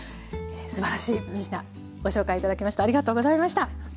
すばらしい３品ご紹介頂きましてありがとうございました。